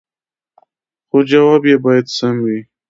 خو جواب يې باید سم وي